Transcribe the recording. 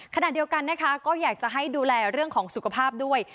ขณะเดียวกันนะคะก็อยากจะให้ดูแลเรื่องของสุขภาพด้วย